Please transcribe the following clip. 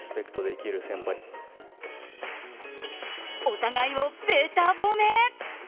お互いをべた褒め！